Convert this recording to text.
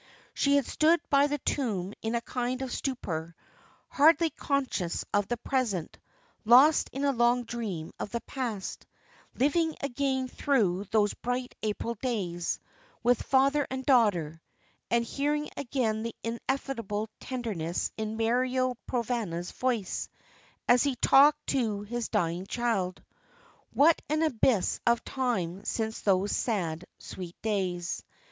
She had stood by the tomb in a kind of stupor, hardly conscious of the present, lost in a long dream of the past, living again through those bright April days, with father and daughter, and hearing again the ineffable tenderness in Mario Provana's voice, as he talked to his dying child. What an abyss of time since those sad, sweet days!